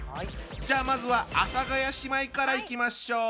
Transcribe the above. じゃあまずは阿佐ヶ谷姉妹からいきましょう。